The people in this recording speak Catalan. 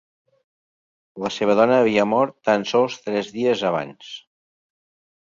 La seva dona havia mort tan sols tres dies abans.